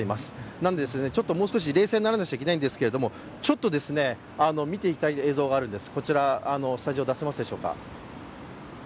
なので、もう少し冷静にならなくちゃいけないんですけど、ちょっと見ていただきたい映像があるんです。